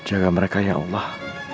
jaga meraka ya allah